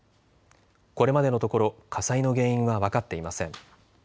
これまでのところ火災の原因は分かっていません。